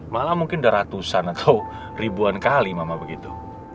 malah mungkin udah ratusan atau ribuan kali mama begitu